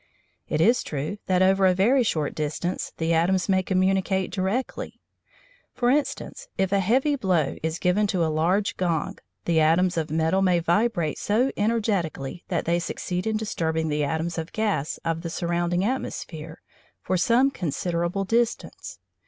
It is true that over a very short distance the atoms may communicate directly. For instance, if a heavy blow is given to a large gong, the atoms of metal may vibrate so energetically that they succeed in disturbing the atoms of gas of the surrounding atmosphere for some considerable distance.